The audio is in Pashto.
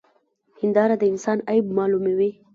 هنداره د انسان عيب معلوموي.